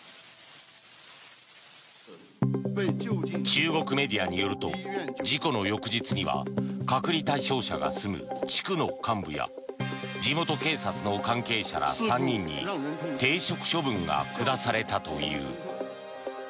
中国メディアによると事故の翌日には隔離対象者が住む地区の幹部や地元警察の関係者ら３人に停職処分が下されたという。